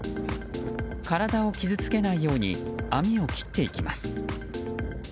体を傷つけないように網を切っていきます。